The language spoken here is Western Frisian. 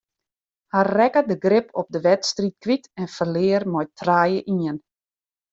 Hy rekke de grip op de wedstryd kwyt en ferlear mei trije ien.